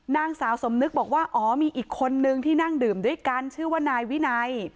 นางสาวสมนึกบอกว่าอ๋อมีอีกคนนึงที่นั่งดื่มด้วยกันชื่อว่านายวินัย